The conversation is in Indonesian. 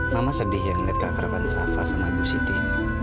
mama sedih yang liat kakak depan sava sama ibu siti